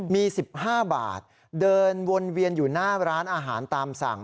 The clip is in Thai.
มี๑๕บาทเดินวนเวียนอยู่หน้าร้านอาหารตามสั่ง